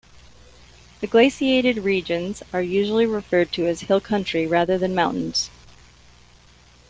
The glaciated regions are usually referred to as hill country rather than mountains.